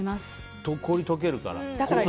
氷が解けるから。